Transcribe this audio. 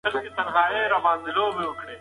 خلک به سبا هم راټول شي.